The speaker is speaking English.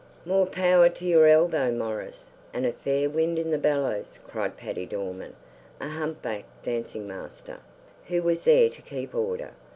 'More power to your elbow, Maurice, and a fair wind in the bellows,' cried Paddy Dorman, a hump backed dancing master, who was there to keep order.